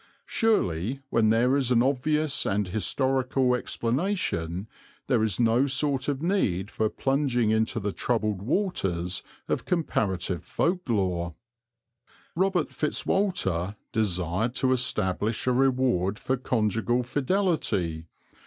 Surely, when there is an obvious and historical explanation there is no sort of need for plunging into the troubled waters of comparative folk lore. Robert Fitz Walter desired to establish a reward for conjugal fidelity.